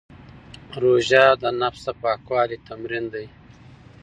روژه د نفس د پاکوالي تمرین دی.